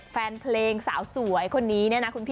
แฟนเพลงสาวสวยคนนี้